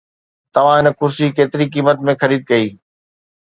توهان هن ڪرسي ڪيتري قيمت ۾ خريد ڪيو؟